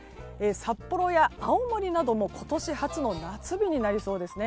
札幌や青森なども今年初の夏日になりそうです。